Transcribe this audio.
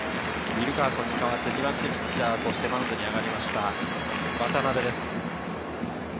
ウィルカーソンに代わって２番手ピッチャーとしてマウンドに上がりました渡邉です。